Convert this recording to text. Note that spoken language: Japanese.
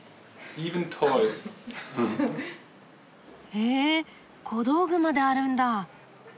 へえ小道具まであるんだ。